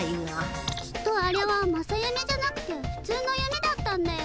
きっとあれは正夢じゃなくてふつうの夢だったんだよ。